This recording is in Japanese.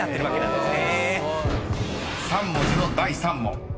［３文字の第３問］